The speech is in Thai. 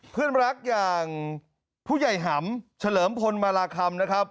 เพื่อนรักอย่างผู้ใหญ่หำเฉลิมพลมาราคำนะครับ